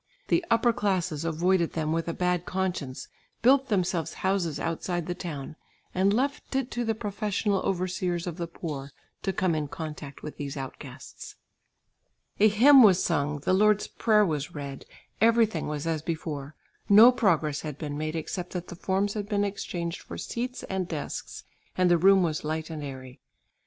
The upper classes avoided them with a bad conscience, built themselves houses outside the town, and left it to the professional over seers of the poor to come in contact with these outcasts. A hymn was sung, the Lord's Prayer was read; everything was as before; no progress had been made except that the forms had been exchanged for seats and desks, and the room was light and airy.